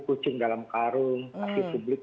kucing dalam karung tapi publik